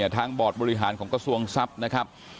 บอร์ดบริหารของกระทรวงทรัพย์นะครับ